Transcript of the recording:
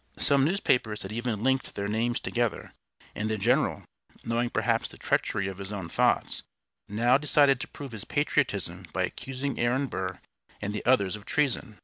Some newspapers had even linked their names together, and the general, knowing perhaps the treachery of his own thoughts, now decided to prove his patriotism by accusing Aaron Burr and the others of treason.